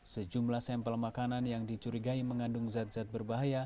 sejumlah sampel makanan yang dicurigai mengandung zat zat berbahaya